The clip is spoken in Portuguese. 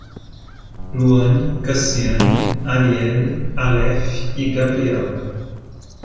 Luane, Cassiane, Ariele, Alef e Gabriella